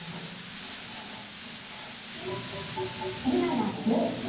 今が旬。